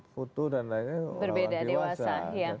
foto dan lainnya berbeda berbeda dewasa